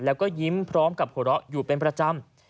แล้วก็ยิ้มพร้อมกับหัวเราะอยู่เป็นประจำ